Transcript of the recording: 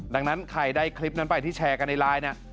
ดังนั้นใครได้คลิปนั้นไปที่แชร์กันในไลน์เนี่ย